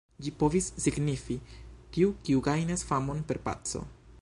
Ĝi povis signifi: "tiu, kiu gajnas famon per paco".